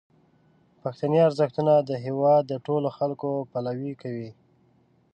پښتني ارزښتونه د هیواد د ټولو خلکو پلوي کوي.